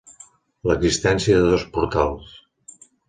L'existència de dos portals.